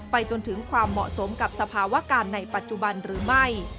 จนถึงความเหมาะสมกับสภาวะการในปัจจุบันหรือไม่